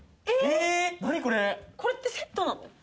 これってセットなの？